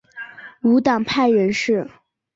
无党派人士。